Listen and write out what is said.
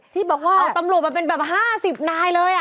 ที่บอกว่าเอาตำรวจมาเป็นแบบ๕๐นายเลย